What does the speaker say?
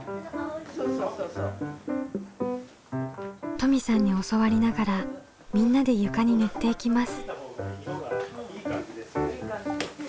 登美さんに教わりながらみんなで床に塗っていきます。